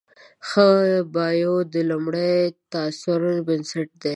ښه بایو د لومړي تاثر بنسټ دی.